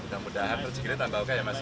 mudah mudahan berjigilnya tambah oke ya mas